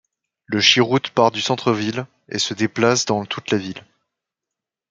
Le shirout part du centre-ville, et se déplace dans toute la ville.